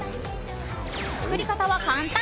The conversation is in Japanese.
作り方は簡単。